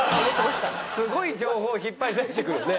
すごい情報を引っ張り出してくるね。